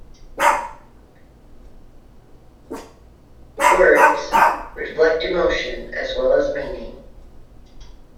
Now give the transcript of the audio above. Words reflect emotion as well as meaning.